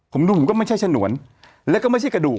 ผมดูผมก็ไม่ใช่ฉนวนแล้วก็ไม่ใช่กระดูก